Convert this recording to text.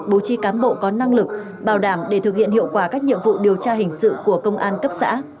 bố trì cán bộ có năng lực bảo đảm để thực hiện hiệu quả các nhiệm vụ điều tra hình sự của công an cấp xã